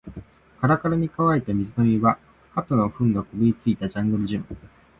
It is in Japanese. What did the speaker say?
カラカラに乾いた水飲み場、鳩の糞がこびりついたジャングルジム